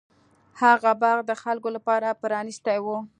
هغه باغ د خلکو لپاره پرانیستی و.